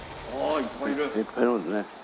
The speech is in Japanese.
いっぱいいるんですね。